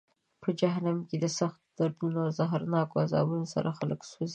په جهنم کې د سختو دردونو او زهرناکو عذابونو سره خلک سوزي.